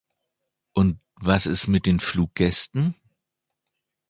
Und was ist mit den Fluggästen?